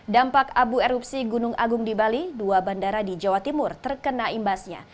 dampak abu erupsi gunung agung di bali dua bandara di jawa timur terkena imbasnya